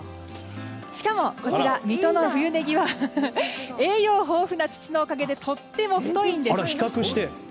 しかもこちら、水戸の冬ネギは栄養豊富な土のおかげでとっても太いんです。